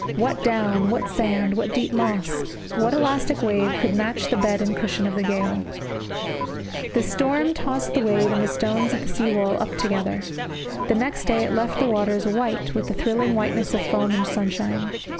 What down, what sand, what deep moss, what elastic wave could match the bed and cushion of the gale? This storm tossed the wave and the stones of the sea wall up together. The next day it left the waters white with the thrilling whiteness of foam in sunshine.